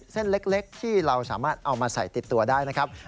เส้นเล็กที่เราสามารถเอามาใส่ติดตัวได้นะครับ